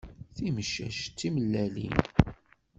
Timcac timellalin.